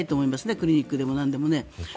クリニックでもなんでもね。